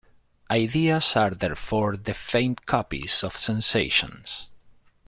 Ideas are therefore the faint copies of sensations.